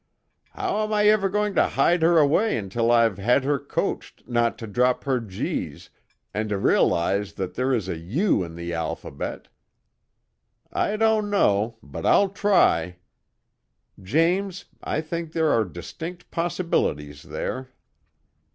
"How I am ever to hide her away until I've had her coached not to drop her g's, and to realize that there is a 'u' in the alphabet I don't know, but I'll try. James I think there are distinct possibilities there."